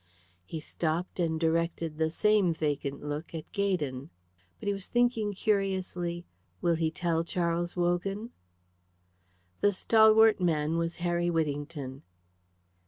He stopped and directed the same vacant look at Gaydon. But he was thinking curiously, "Will he tell Charles Wogan?" The stalwart man was Harry Whittington.